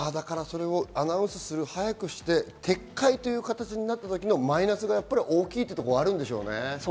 アナウンスする、早くして撤回となった時のマイナスが大きいというところがあるんでしょうね。